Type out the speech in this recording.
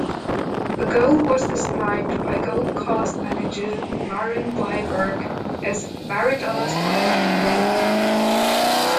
The goal was described by Gold Coast manager Miron Bleiberg as a "Maradona-style" goal.